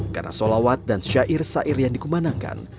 karena solawat dan syair syair yang dikemanangkan